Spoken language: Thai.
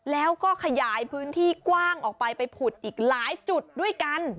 แล้วก็ขยายพื้นที่กว้างออกไปไปผุดอีกหลายจุดด้วยกัน